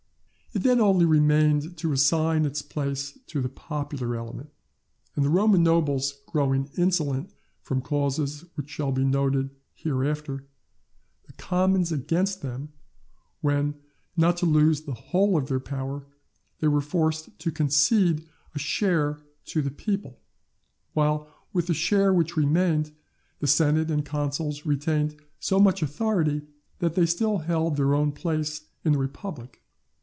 It then only remained to assign its place to the popular element, and the Roman nobles growing insolent from causes which shall be noticed hereafter, the commons against them, when, not to lose the whole of their power, they were forced to concede a share to the people; while with the share which remained, the senate and consuls retained so much authority that they still held their own place in the republic.